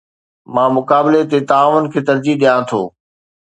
مان مقابلي تي تعاون کي ترجيح ڏيان ٿو